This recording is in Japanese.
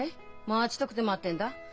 待ちたくて待ってんだ。